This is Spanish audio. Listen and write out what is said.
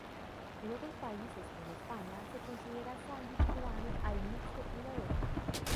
En otros países como España, se considera sándwich cubano al mixto con huevo.